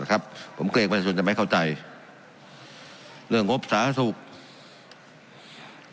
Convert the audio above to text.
เพราะผมเกรกไปไปจนจะไม่เข้าใจเรื่องงบสหรัฐศูกร์